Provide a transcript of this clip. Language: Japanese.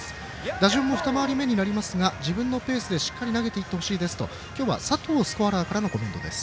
打順も２回り目になりますが自分のペースで投げていってほしいですと今日は佐藤スコアラーからのコメントです。